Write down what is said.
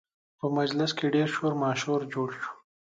په مجلس کې ډېر شور ماشور جوړ شو